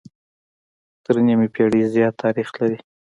تر نيمې پېړۍ زيات تاريخ لري